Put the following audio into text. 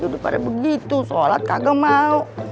udah pada begitu sholat kagak mau